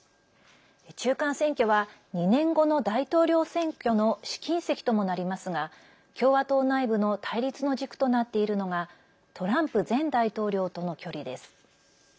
中間選挙は２年後の大統領選挙の試金石ともなりますが共和党内部の対立の軸となっているのがトランプ前大統領との距離です。